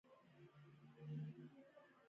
شاوخوا نور کسان هم ليدل کېدل.